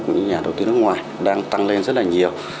của những nhà đầu tư nước ngoài đang tăng lên rất là nhiều